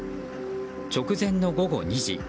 直前の午後２時。